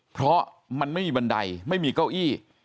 เพราะมันไม่มีบันไดไม่มีเก้าอี้